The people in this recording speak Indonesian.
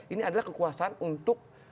ini adalah kekuasaan untuk